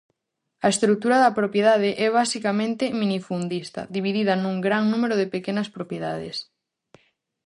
A estrutura da propiedade é basicamente minifundista, dividida nun gran número de pequenas propiedades.